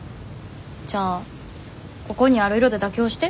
じゃあここにある色で妥協して。